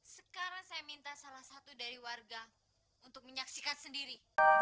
sekarang saya minta salah satu dari warga untuk menyaksikan sendiri